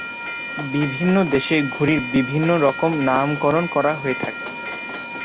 বিভিন্ন দেশে ঘুড়ির বিভিন্ন রকম নামকরণ করা হয়ে থাকে।